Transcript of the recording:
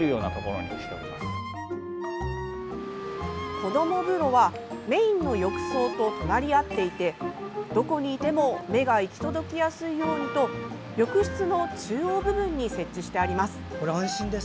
こどもぶろはメインの浴槽と隣り合っていてどこにいても目が行き届きやすいようにと浴室の中央部分に設置してあります。